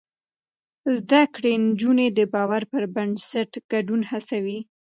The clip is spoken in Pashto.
زده کړې نجونې د باور پر بنسټ ګډون هڅوي.